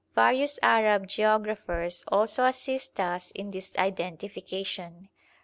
Various Arab geographers also assist us in this identification.